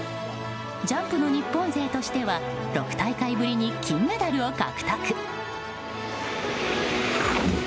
ジャンプの日本勢としては６大会ぶりに金メダルを獲得。